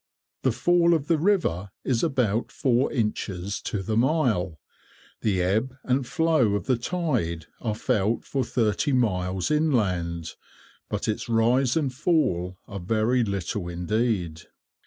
The fall of the river is about four inches to the mile. The ebb and flow of the tide are felt for thirty miles inland, but its rise and fall are very little indeed.